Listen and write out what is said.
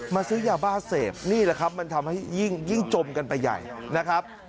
ซื้อยาบ้าเสพนี่แหละครับมันทำให้ยิ่งจมกันไปใหญ่นะครับ